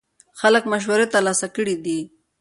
خلک مشورې ترلاسه کړې دي.